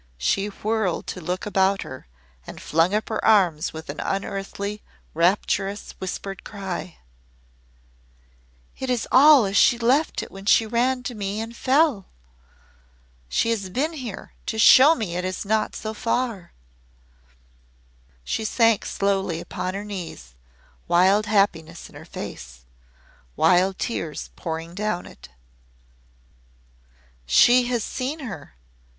She whirled to look about her and flung up her arms with an unearthly rapturous, whispered cry: "It is all as she left it when she ran to me and fell. She has been here to show me it is not so far!" She sank slowly upon her knees, wild happiness in her face wild tears pouring down it. "She has seen her!"